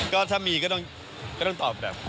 ก็ถ้ามีก็ต้องตอบแบบ